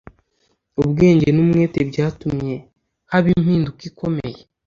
ubwenge n’umwete byatumye haba impinduka ikomeye